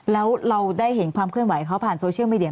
แล้วเราได้เห็นความเคลื่อนไหวเขาผ่านโซเชียลมีเดี